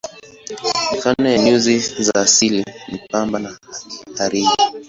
Mifano ya nyuzi za asili ni pamba na hariri.